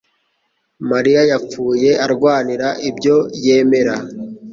mariya yapfuye arwanira ibyo yemera